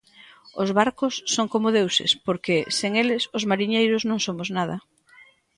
Os barcos son como deuses porque, sen eles, os mariñeiros non somos nada.